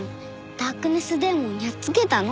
ダークネスデーモンやっつけたの？